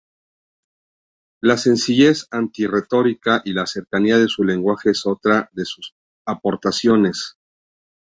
La sencillez anti-retórica y la cercanía de su lenguaje es otra de sus aportaciones.